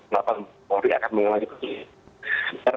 lapan ori akan mengalami kursi